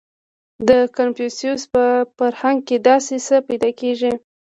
• د کنفوسیوس په فرهنګ کې داسې څه پیدا کېږي.